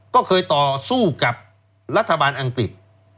ก็เคยต่อสู้กับรัฐบาลอังกฤษ